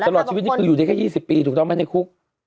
ตลอดชีวิตนี่คืออยู่ได้แค่๒๐ปีถูกต้องไหมในคุก